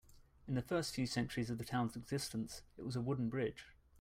In the first few centuries of the town's existence, it was a wooden bridge.